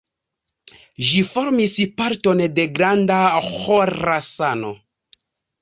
Ĝi formis parton de Granda Ĥorasano.